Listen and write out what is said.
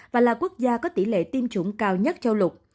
và là quốc gia có tỷ lệ tiêm chủng cao nhất châu lục